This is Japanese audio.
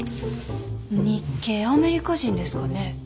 日系アメリカ人ですかね？